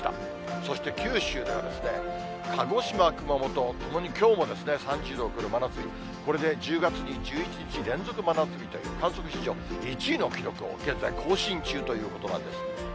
そして九州が鹿児島、熊本ともにきょうも３０度を超える真夏日、これで１０月に１１日連続真夏日という、観測史上１位の記録を現在、更新中ということなんです。